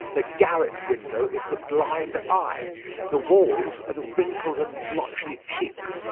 The garret window is the blind eye. The walls are the wrinkled and blotchy cheeks.